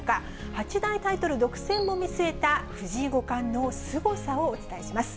八大タイトル独占も見据えた藤井五冠のすごさをお伝えします。